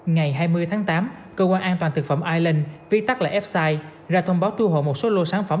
ngày hai mươi tháng tám cơ quan an toàn thực phẩm island viết tắt lại f side ra thông báo thu hồi một số lô sản phẩm